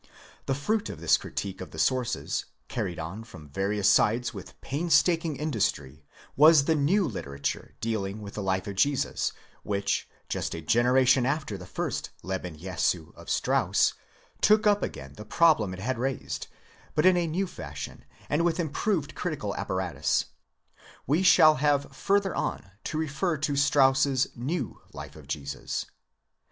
The fruit of this critique of the sources, carried on from various sides with painstaking industry, was the new litera ture dealing with the life of Jesus, which, just a generation after the first Leben Jesu of Strauss, took up again the problems it had raised, but in a new fashion, and with improved critical apparatus. We shall have further on to refer to Strauss's new life of Jesus.